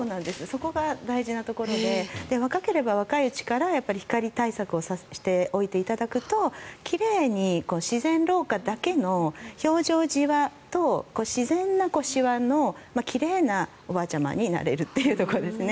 そこが大事なところで若ければ若いうちから光対策をしていただくと奇麗に自然老化だけの表情ジワと自然なシワの奇麗なおばあちゃまになれるというところですね。